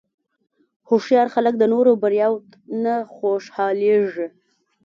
هوښیار خلک د نورو بریاوو نه خوشحالېږي.